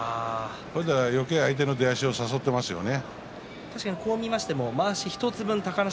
よけい相手の出足を誘っていますね。